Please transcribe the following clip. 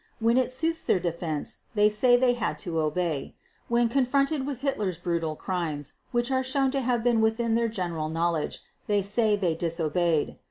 When it suits their defense they say they had to obey; when confronted with Hitler's brutal crimes, which are shown to have been within their general knowledge, they say they disobeyed.